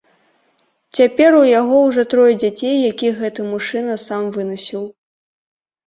Цяпер у яго ўжо трое дзяцей, якіх гэты мужчына сам вынасіў.